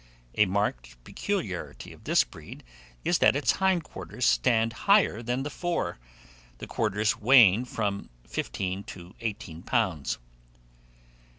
A marked peculiarity of this breed is that its hind quarters stand higher than the fore, the quarters weighing from fifteen to eighteen pounds.